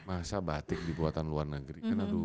masa batik dibuatan luar negeri